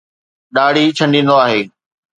ڏاڙهي ڇنڊيندو آهي.